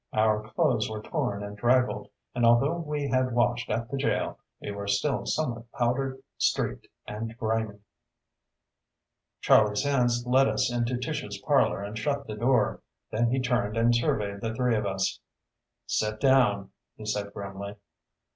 Our clothes were torn and draggled, and although we had washed at the jail we were still somewhat powder streaked and grimy. Charlie Sands led us into Tish's parlor and shut the door. Then he turned and surveyed the three of us. "Sit down," he said grimly.